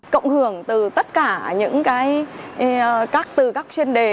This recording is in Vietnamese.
cộng hưởng từ tất cả những cái từ các chuyên đề